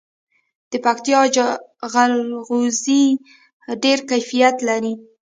د پکتیکا جلغوزي ډیر کیفیت لري.